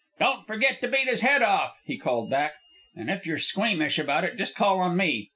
"Don't forget to beat his head off," he called back. "And if you're squeamish about it, just call on me.